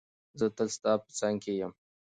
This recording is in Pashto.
زه تل ستا په څنګ کې یم.